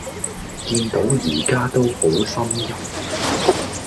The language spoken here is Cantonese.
見都而家咁好心悒